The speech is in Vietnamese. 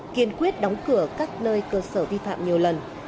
kiên quyết đóng cửa các nơi cơ sở vi phạm nhiều lần